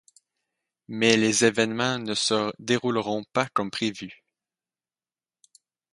Mais les événements ne se dérouleront pas comme prévu...